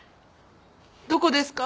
どこですか？